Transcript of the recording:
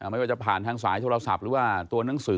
ไม่ว่าจะผ่านทางสายโทรศัพท์